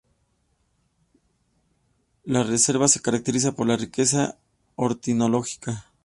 La reserva se caracteriza por su riqueza ornitológica.